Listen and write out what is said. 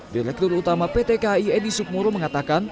direktur utama pt ki edi submoro mengatakan